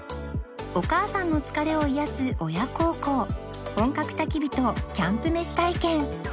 お母さんの疲れを癒やす親孝行本格焚き火とキャンプ飯体験